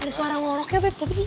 ini suara ngoroknya begitu dikit